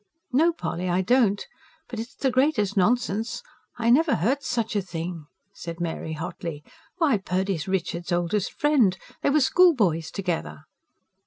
"No, Polly, I don't. But it's the greatest nonsense I never heard such a thing!" said Mary hotly. "Why, Purdy is Richard's oldest friend. They were schoolboys together."